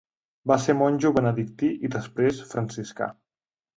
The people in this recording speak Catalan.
Va ser monjo benedictí i després franciscà.